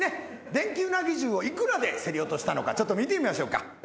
電気うなぎ重を幾らで競り落としたのかちょっと見てみましょうか。